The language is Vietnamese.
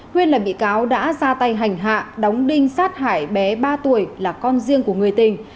nguyên là bị cáo đã ra tay hành hạ đóng đinh sát hải bé ba tuổi là con riêng của người tình